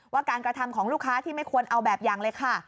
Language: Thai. ว่าการกระทำของลูกค้าที่ไม่ควรเอาแบบอย่างเลยค่ะ